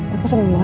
aku seneng banget